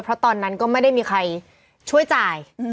เพราะตอนนั้นก็ไม่ได้มีใครช่วยจ่าย